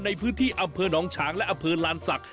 ในพื้นที่อำเภอหนองฉางและอำเภอลานศักดิ